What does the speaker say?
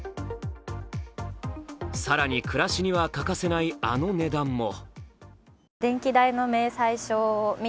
更に、暮らしには欠かせないあの値段も。